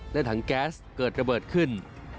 และถังแก๊สเกิดระเบิดขึ้น